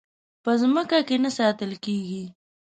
په ځمکه کې نه ساتل کېږي.